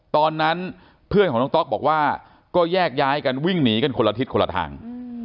ตอนนั้นเพื่อนของน้องต๊อกบอกว่าก็แยกย้ายกันวิ่งหนีกันคนละทิศคนละทาง